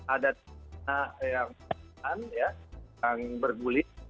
ada data yang berguling